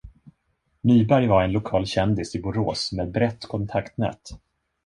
Nyberg var en lokal kändis i Borås med brett kontaktnät.